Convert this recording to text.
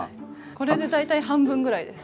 これで大体半分ぐらいです。